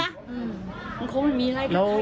มันเขามีอะไรกับใครแล้ว